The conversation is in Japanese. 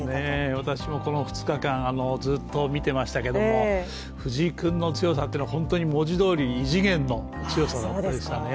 私もこの２日間、ずっと見てましたけれども、藤井君の強さっていうのは文字どおり異次元のものでしたね。